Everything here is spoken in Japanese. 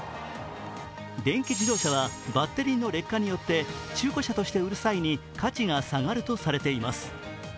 電気自動車はバッテリーの劣化によって中古車として売る際に価値が下がるとされています。